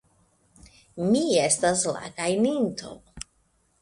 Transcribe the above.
Mi estas la gajninto.